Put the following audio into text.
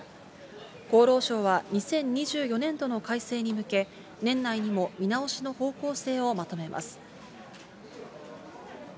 厚労省は２０２４年度の改正に向け、年内にも見直しの方向性をまとめます。